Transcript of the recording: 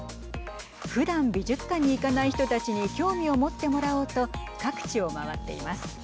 ふだん美術館に行かない人たちに興味を持ってもらおうと各地を回っています。